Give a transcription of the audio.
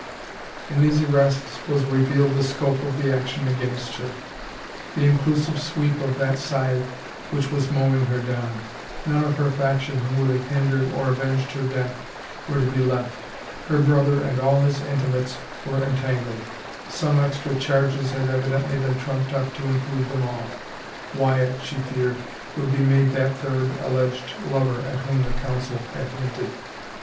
In these arrests was revealed the scope of the action against her; the inclusive sweep of that scythe which was mowing her down. None of her faction who would have hindered or avenged her death were to be left. Her brother and all his intimates were entangled; some extra charges had evidently been trumped up to include therti all. Wyatt, she feared, would be made that third alleged lover at whom the council had hinted.